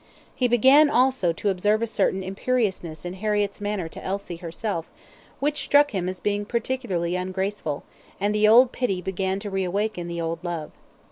He began also to observe a certain imperiousness in Harriett's manner to Elsie herself, which struck him as being particularly ungraceful, and the old pity began to reawake the old love.